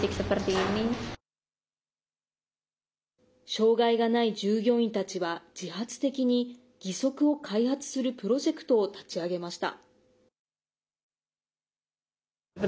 障害がない従業員たちは自発的に義足を開発するプロジェクトを立ち上げました。